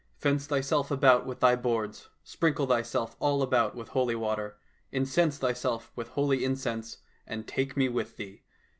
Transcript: Fence thyself about with thy boards, sprinkle thyself all about with holy water, incense thyself with holy incense, and take me with thee.